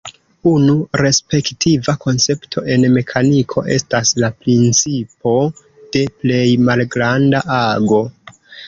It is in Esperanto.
Unu respektiva koncepto en mekaniko estas la principo de plej malgranda ago.